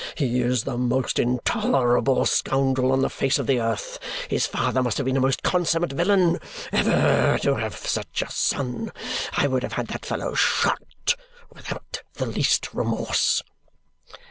He is the most intolerable scoundrel on the face of the earth. His father must have been a most consummate villain, ever to have such a son. I would have had that fellow shot without the least remorse!"